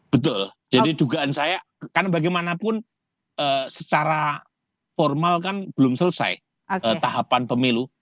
betul jadi dugaan saya karena bagaimanapun secara formal kan belum selesai tahapan pemilu